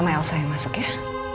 ma yaudah saya yang masuk ya